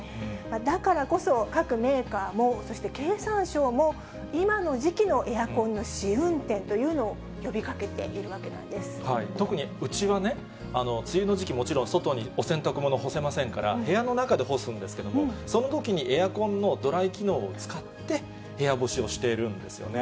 だからこそ、各メーカーも、そして経産省も、今の時期のエアコンの試運転というのを呼びかけているわけなんで特にうちはね、梅雨の時期、もちろん外にお洗濯物干せませんから、部屋の中で干すんですけども、そのときにエアコンのドライ機能を使って、部屋干しをしているんですよね。